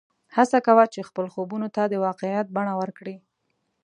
هڅه کوه چې خپل خوبونه د واقعیت بڼه ورکړې